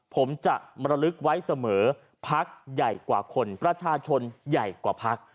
ผมจะมรลึกไว้เสมอพักใหญ่กว่าคนประชาชนใหญ่กว่าพัก